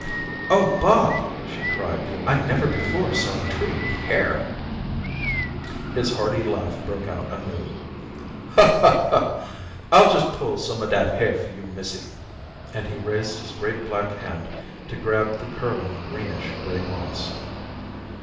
"Oh, Bob," she cried, "I never before saw a tree with hair." His hearty laugh broke out anew. "Ha, ha, ha. I'll jes' pull some of dat hair for you, missy," and he raised his great, black hand to grab the curling, greenish, gray moss.